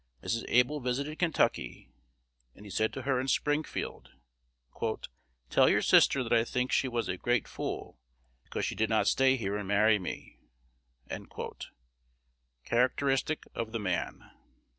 Mrs. Able visited Kentucky; and he said to her in Springfield, "Tell your sister that I think she was a great fool, because she did not stay here, and marry me." Characteristic of the man.